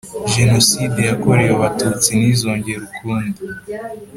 jenoside yakorewe abatutsi ntizongere ukundi